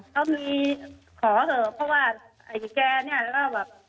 เขามีขอเถอะเพราะว่าไอ้แกเนี่ยก็แบบ